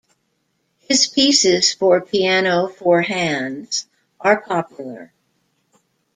His pieces for piano four hands are popular.